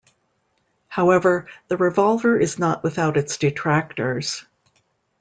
However, the revolver is not without its detractors.